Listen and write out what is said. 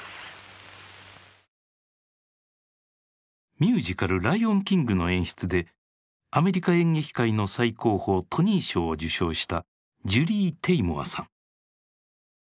ミュージカル「ライオン・キング」の演出でアメリカ演劇界の最高峰トニー賞を受賞したジュリー・テイモアさん。